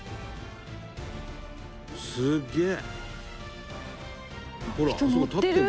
「すっげえ！」